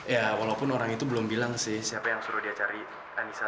ya walaupun orang itu belum bilang sih siapa yang suruh dia cari anissa